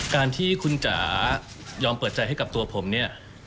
การที่คุณจ๋ายอมเปิดใจให้กับตัวผมเนี่ย